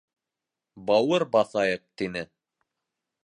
Бауыр баҫайыҡ, — тине.